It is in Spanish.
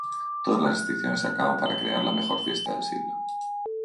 Todas las restricciones se acaban para crear la mejor fiesta del siglo.